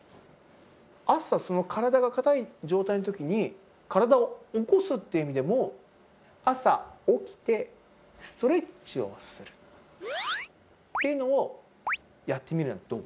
朝、体が硬い状態のときに、体を起こすっていう意味でも、朝起きて、ストレッチをするっていうのをやってみるのはどう？